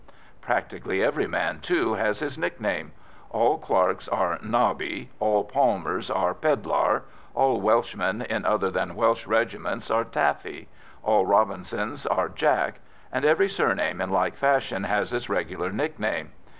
Practically every man, too, has his nickname: all Clarkes are "Nobby," all Palmers are "Pedlar," all Welshmen in other than Welsh regiments are "Taffy," all Robinsons are "Jack," and every surname in like fashion has its regular nickname.